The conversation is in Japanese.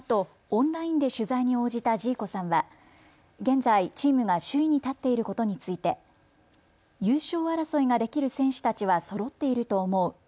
オンラインで取材に応じたジーコさんは現在、チームが首位に立っていることについて優勝争いができる選手たちはそろっていると思う。